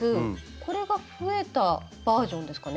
これが増えたバージョンですかね？